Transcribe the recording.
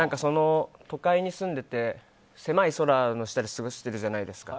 都会に住んでいて狭い空の下で過ごしてるじゃないですか。